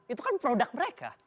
itu kan produk mereka